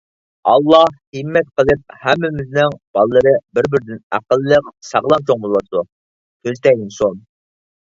ئاللاھ ھىممەت قىلىپ، ھەممىمىزنىڭ بالىلىرى بىر-بىرىدىن ئەقىللىق، ساغلام چوڭ بولۇۋاتىدۇ. كۆز تەگمىسۇن.